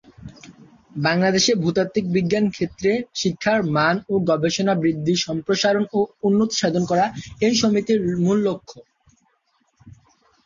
বাংলাদেশে ভূতাত্ত্বিক বিজ্ঞান ক্ষেত্রে শিক্ষার মান ও গবেষণা বৃদ্ধি, সম্প্রসারণ ও উন্নতি সাধন করা এই সমিতির মূল লক্ষ্য।